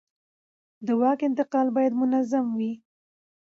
د واک انتقال باید منظم وي